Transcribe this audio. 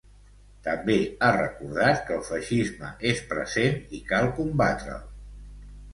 També ha recordat que el feixisme és present i cal combatre'l.